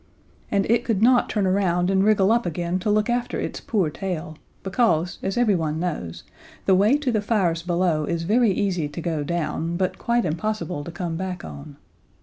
And it could not turn around and wriggle up again to look after its poor tail, because, as everyone knows, the way to the fires below is very easy to go down, but quite impossible to come back on.